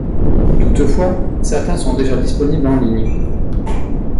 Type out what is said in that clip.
Toutefois, certains sont déjà disponibles en ligne.